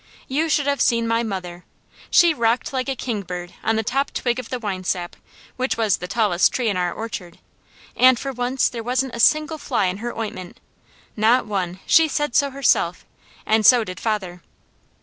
You should have seen my mother! She rocked like a kingbird on the top twig of the winesap, which was the tallest tree in our orchard, and for once there wasn't a single fly in her ointment, not one, she said so herself, and so did father.